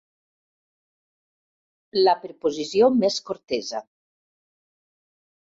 La preposició més cortesa.